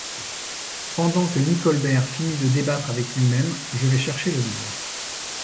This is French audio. Pendant que Nicolbert finit de débattre avec lui-même, je vais chercher le livre.